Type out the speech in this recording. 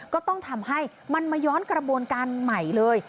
ก็ต้องทำให้มันมาย้อนกระบวนการใหม่เลย